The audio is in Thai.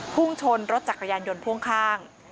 พุ่งชนรถจักรยานยนต์พ่วงข้าง